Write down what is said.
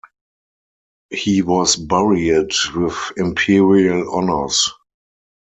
He was buried with imperial honors.